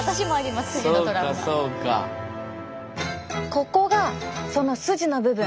ここがそのスジの部分。